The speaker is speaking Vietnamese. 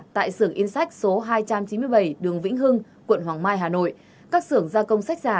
tại xưởng in sách số hai trăm chín mươi bảy đường vĩnh hưng quận hoàng mai hà nội các xưởng gia công sách giả